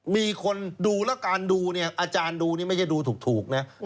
มีคนดูแล้วการดูเนี่ยอาจารย์ดูนี่ไม่ใช่ดูถูกนะ